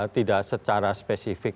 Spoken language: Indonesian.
tidak secara spesifik